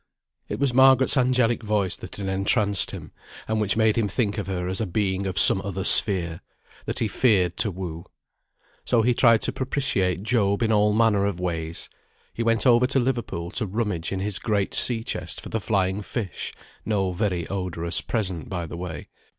It was Margaret's angelic voice that had entranced him, and which made him think of her as a being of some other sphere, that he feared to woo. So he tried to propitiate Job in all manner of ways. He went over to Liverpool to rummage in his great sea chest for the flying fish (no very odorous present by the way).